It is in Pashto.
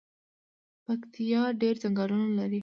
پکتیا ډیر ځنګلونه لري